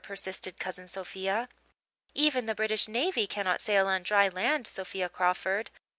persisted Cousin Sophia. "Even the British navy cannot sail on dry land, Sophia Crawford.